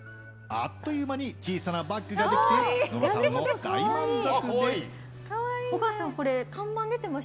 あっという間に小さなバッグができて野呂さんも大満足です。